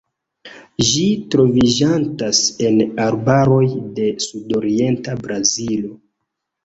Ĝi troviĝantas en arbaroj de sudorienta Brazilo.